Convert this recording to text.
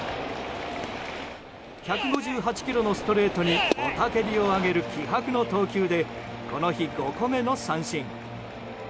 １５８キロのストレートに雄たけびを上げる気迫の投球でこの日５個目の三振。